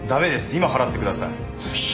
今払ってください。